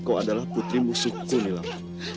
kau adalah putri musuhku milam